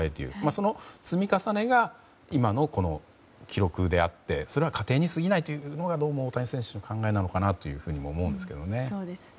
その積み重ねが今の記録であってそれは過程に過ぎないというのが大谷選手の考えなのかなと思うんですけどね。